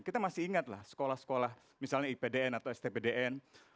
kita masih ingatlah sekolah sekolah misalnya ipdn atau stpdn